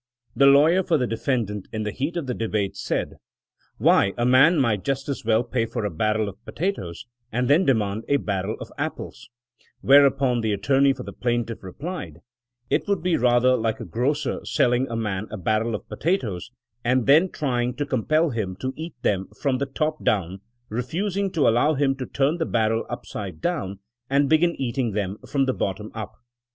The lawyer for the defendant, in the heat of the debate, said, Why, a man might just as well pay for a barrel of i)otatoes and then de mand a barrel of apples 1 *' Whereupon the at torney for the plaintiff replied, It would be rather like a grocer selling a man a barrel of potatoes and then trying to compel him, to eat them from the top down, refusing to allow him to turn the barrel upside down and begin eatiug them from the bottom up.'